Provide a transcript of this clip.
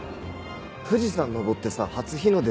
富士山登ってさ初日の出でも見る？